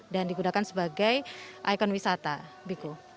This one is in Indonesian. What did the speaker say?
dan digunakan sebagai ikon wisata biku